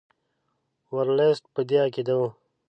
ورلسټ په دې عقیده وو.